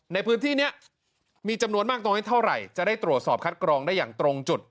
ในพื้นที่นี้มีจำนวนมากน้อยเท่าไหร่จะได้ตรวจสอบคัดกรองได้อย่างตรงจุด